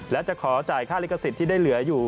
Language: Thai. และจะขอจ่ายค่าลิขสิทธิ์ที่ได้เหลืออยู่